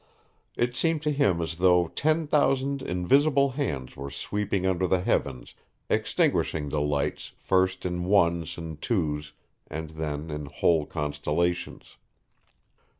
It seemed to him as though ten thousand invisible hands were sweeping under the heavens extinguishing the lights first in ones and twos and then in whole constellations.